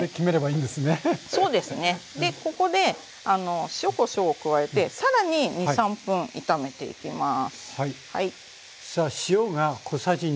でここで塩こしょうを加えて更に２３分炒めていきます。